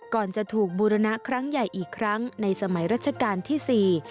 ก่อนจะถูกบูรณะครั้งใหญ่อีกครั้งในสมัยรัชกาลที่สี่